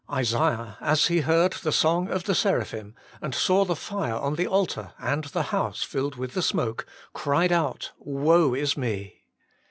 Isaiah, as he heard the song of the seraphim, and saw the fire on the altar, and the house filled with the smoke, cried out, ' Woe is me.'